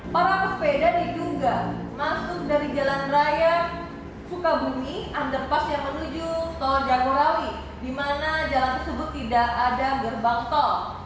para pesepeda diduga masuk dari jalan raya sukabumi underpass yang menuju tol jagorawi di mana jalan tersebut tidak ada gerbang tol